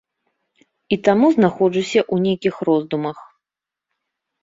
І таму знаходжуся ў нейкіх роздумах.